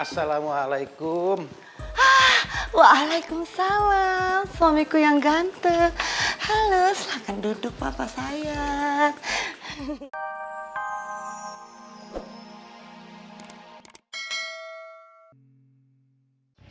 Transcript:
assalamualaikum waalaikumsalam suamiku yang ganteng halus akan duduk papa saya